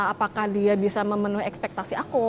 apakah dia bisa memenuhi ekspektasi aku